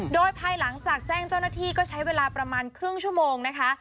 โดยภายหลังจากแจ้งเจ้าหน้าที่ก็ใช้เวลาประมาณครึ่งชั่วโมงนะคะ